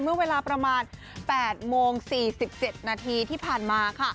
เมื่อเวลาประมาณ๘โมง๔๗นาทีที่ผ่านมาค่ะ